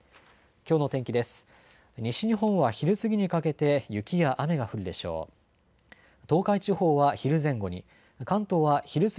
きょうの天気です。